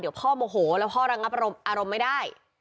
เดี๋ยวพ่อโมโหแล้วพ่อระงับอารมณ์ไม่ได้